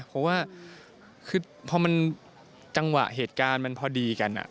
เพราะว่าคือพอมันจังหวะเหตุการณ์มันพอดีกัน